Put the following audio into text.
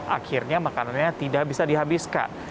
akhirnya makanannya tidak bisa dihabiskan